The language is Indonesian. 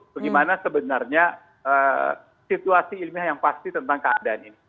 bagaimana sebenarnya situasi ilmiah yang pasti tentang keadaan ini